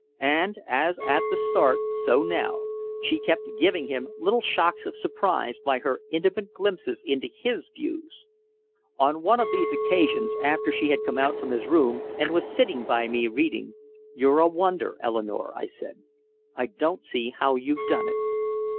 And as at the start, so now, she kept giving him little shocks of surprise by her intimate glimpses into his views. On one of these occasions, after she had come out from his room and was sitting by me reading, "You're a wonder, Eleanore," I said. "I don't see how you've done it."